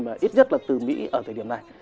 mà ít nhất là từ mỹ ở thời điểm này